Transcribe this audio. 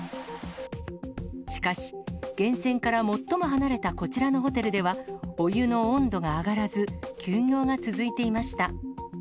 しかし、源泉から最も離れたこちらのホテルでは、お湯の温度が上がらず、休業が続いていました。